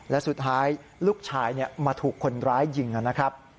และสุดท้ายลูกชายมาถูกคนร้ายยิงนะครับ